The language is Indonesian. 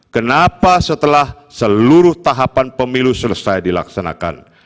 kenapa setelah seluruh tahapan pemilu selesai dilaksanakan